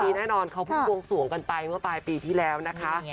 นี่แน่นอนเค้าพูดกวงส่วนกันไปเมื่อปลายปีที่แล้วนะคะ